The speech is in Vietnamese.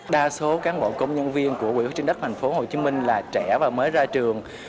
đa số cán bộ công nhân viên của quỹ hội trinh đất thành phố hồ chí minh là trẻ và mới ra trường